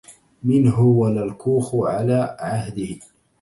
منه ولا الكوخُ على عَهدِه